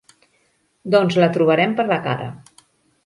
Doncs la trobarem per la cara.